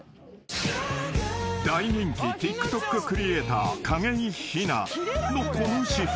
［大人気ＴｉｋＴｏｋクリエーター景井ひなのこの私服］